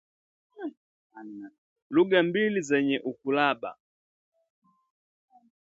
Lugha mbili zenye ukuruba